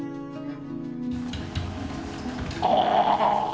ああ！